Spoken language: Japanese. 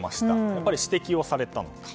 やっぱり指摘をされたのか。